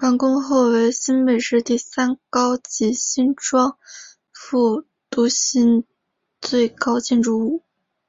完工后为新北市第三高及新庄副都心最高建筑物。